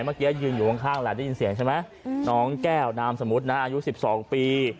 เมื่อกี้ยืนอยู่ข้างแหละได้ยินเสียงใช่ไหมน้องแก้วนามสมมุตินะอายุ๑๒ปี